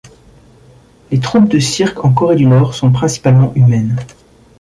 Les troupes de cirque en Corée du Nord sont principalement humaines.